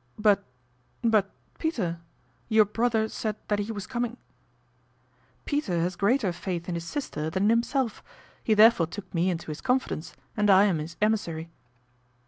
" But but Peter your brother said that he was coming "" Peter has greater faith in his sister than in himself, he therefore took me into his confidence and I am his emissary."